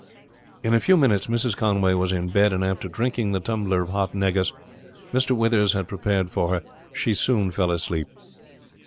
In a few minutes Mrs. Conway was in bed, and after drinking the tumbler of hot negus Mr. Withers had prepared for her she soon fell asleep.